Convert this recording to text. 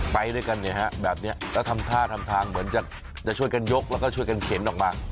ไปด้วยกันเนี่ยฮะแบบนี้แล้วทำท่าทำทางเหมือนจะช่วยกันยกแล้วก็ช่วยกันเข็นออกมา